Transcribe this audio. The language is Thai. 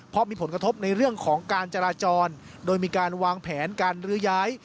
เพราะมีผลกระทบในเรื่องของการจราจรโดยมีการวางแผนการลื้อย้าย